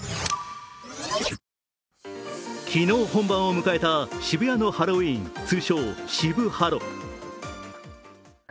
昨日、本番を迎えた渋谷のハロウィーン、通称・渋ハロ。